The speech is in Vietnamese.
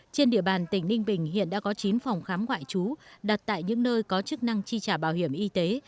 trên địa bàn tỉnh ninh bình hiện đã có chín phòng khám ngoại trú đặt tại những nơi có chức năng chi trả bảo hiểm y tế